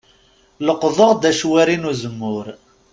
Leqḍeɣ-d acwari n uzemmur.